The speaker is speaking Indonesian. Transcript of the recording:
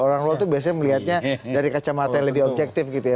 orang orang itu biasanya melihatnya dari kacamata yang lebih objektif gitu ya